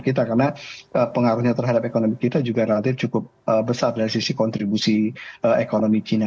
karena pengaruhnya terhadap ekonomi kita juga relatif cukup besar dari sisi kontribusi ekonomi china